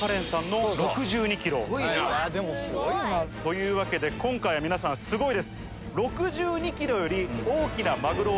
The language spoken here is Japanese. すごいな！というわけで今回は皆さんすごいです。